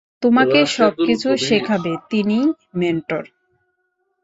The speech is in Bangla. তোমাকে সব কিছু শেখাবে, তিনিই মেন্টর।